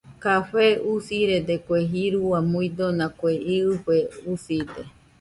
Café usirede kue jirua muidona kue iɨfe uside.